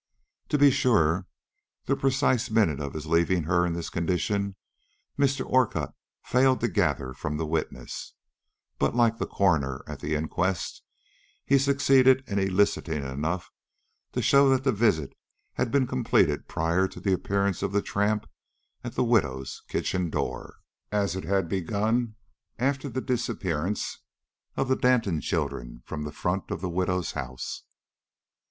To be sure, the precise minute of his leaving her in this condition Mr. Orcutt failed to gather from the witness, but, like the coroner at the inquest, he succeeded in eliciting enough to show that the visit had been completed prior to the appearance of the tramp at the widow's kitchen door, as it had been begun after the disappearance of the Danton children from the front of the widow's house.